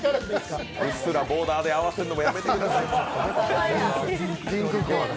うっすらボーダーで合わせるのもやめてください。